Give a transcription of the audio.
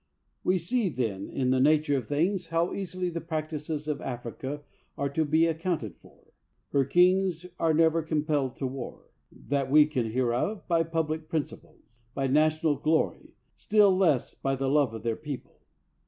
We see then, in the nature of things, how easily the practices of Africa are to be accounted for. Her kings are never compelled to war, that we can hear of, by public principles, by national glory, still less by the love of their people.